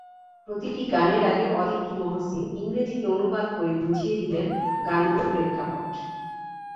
প্রতিটি গানের আগে অদিতি মহসিন ইংরেজিতে অনুবাদ করে বুঝিয়ে দিলেন গানগুলোর প্রেক্ষাপট।